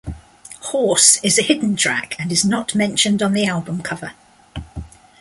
"Horse" is a hidden track and is not mentioned on the album cover.